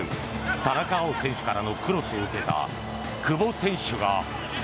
田中碧選手からのクロスを受けた久保選手が。